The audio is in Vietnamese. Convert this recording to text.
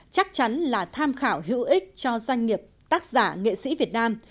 chắc chắn là tham khảo hữu ích cho doanh nghiệp tác giả nghệ sĩ việt nam